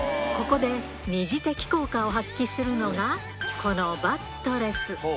ここで、２次的効果を発揮するのが、このバットレス。